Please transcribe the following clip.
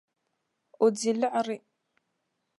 O di liɣri.